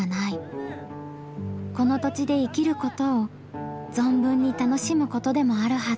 この土地で生きることを存分に楽しむことでもあるはず。